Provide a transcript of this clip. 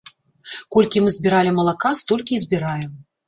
Колькі мы збіралі малака, столькі і збіраем.